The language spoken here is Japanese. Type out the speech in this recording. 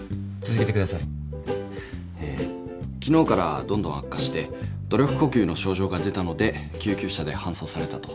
昨日からどんどん悪化して努力呼吸の症状が出たので救急車で搬送されたと。